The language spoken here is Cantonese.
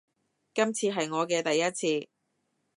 今次係我嘅第一次